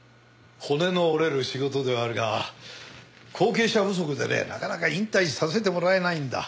骨の折れる仕事ではあるが後継者不足でねなかなか引退させてもらえないんだ。